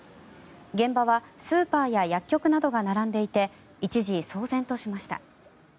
現場はスーパーや薬局などが並んでいて一時、騒然としました。